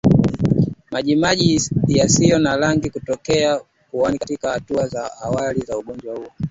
Majimaji yasiyo na rangi kutokea puani katika hatua za awali za ugonjwa huu